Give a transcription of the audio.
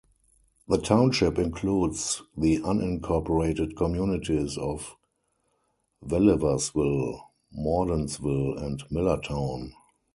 The township includes the unincorporated communities of Welliversville, Mordansville, and Millertown.